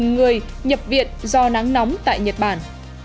năm mươi bảy người nhập viện do nắng nóng tại nhật bản